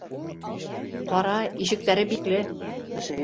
Ҡара, ишектәре бикле.